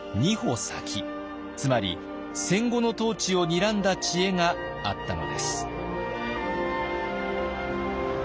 つまり戦後の統治をにらんだ知恵があったのです。